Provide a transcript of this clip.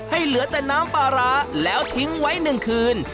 เหลือแต่น้ำปลาร้าแล้วทิ้งไว้๑คืน